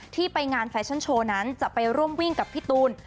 ที่ไปงานแฟชั่นโชว์นั้นจะไปร่วมวิ่งกับพี่ตูน